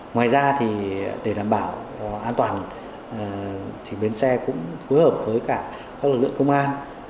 ngoài ra để đảm bảo an toàn bến xe cũng phối hợp với các lực lượng công an